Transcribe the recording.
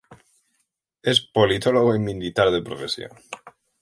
Es politólogo y militar de profesión.